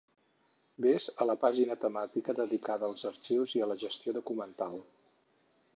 Ves a la pàgina temàtica dedicada als arxius i la gestió documental.